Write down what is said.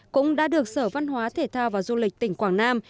cũng đã được sở văn hóa thể thao và du lịch tỉnh quảng nam